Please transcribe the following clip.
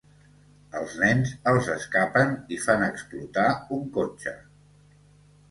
Els nens els escapen i fan explotar un cotxe.